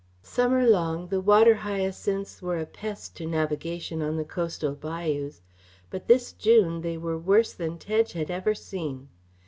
Summer long the water hyacinths were a pest to navigation on the coastal bayous, but this June they were worse than Tedge had ever seen.